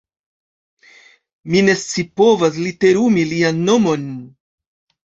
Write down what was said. Mi ne scipovas literumi lian nomon.